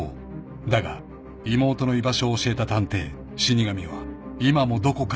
［だが妹の居場所を教えた探偵死神は今もどこかにいる］